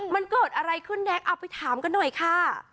มันเกิดอะไรขึ้นแน็กเอาไปถามกันหน่อยค่ะ